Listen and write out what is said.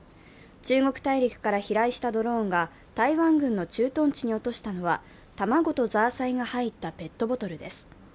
中国大陸から飛来したドローンが台湾軍の駐屯地に落としたのは卵とザーサイが入ったペットボトルです。